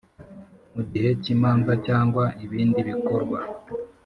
Mu gihe cy imanza cyangwa ibindi bikorwa